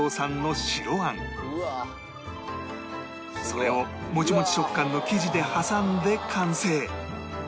それをもちもち食感の生地で挟んで完成